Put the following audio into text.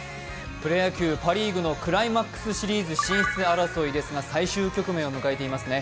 プロ野球パ・リーグのクライマックスシリーズ進出争いですが最終局面を迎えていますね。